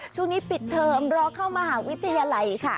ช่วงนี้ปิดเทอมรอเข้ามหาวิทยาลัยค่ะ